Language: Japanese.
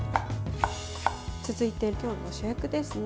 続いて、今日の主役ですね